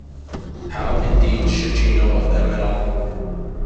How, indeed, should she know of them at all?